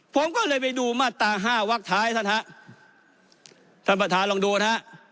ผมก็เลยไปดูมาตราห้าวักท้ายท่านฮะท่านประธานลองดูนะฮะ